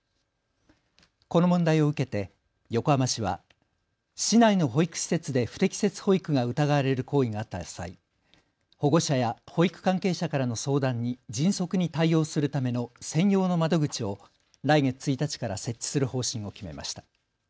この問題を受けて横浜市は市内の保育施設で不適切保育が疑われる行為があった際、保護者や保育関係者からの相談に迅速に対応するための専用の窓口を来月１日から設置する方針を決めました。